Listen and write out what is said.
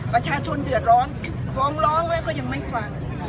ประชาชนเดือดร้อนฟ้องร้องแล้วก็ยังไม่ฟัง